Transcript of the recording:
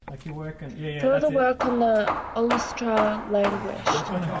Further work on olestra languished.